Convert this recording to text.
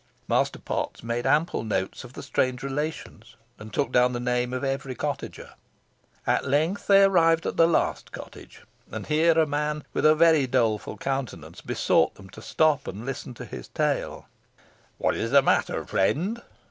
Master Potts made ample notes of the strange relations, and took down the name of every cottager. At length, they arrived at the last cottage, and here a man, with a very doleful countenance, besought them to stop and listen to his tale. "What is the matter, friend?"